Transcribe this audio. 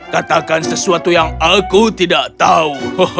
katakan sesuatu yang aku tidak tahu